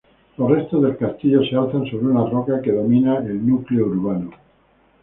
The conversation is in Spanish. Los restos del castillo se alzan sobre una roca que domina el núcleo urbano.